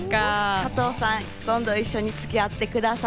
加藤さん、今度一緒に付き合ってください。